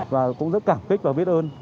và cũng rất cảm kích và biết ơn